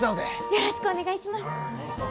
よろしくお願いします。